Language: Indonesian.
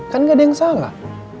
kan gak ada yang salah